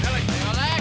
trzeba pun simpan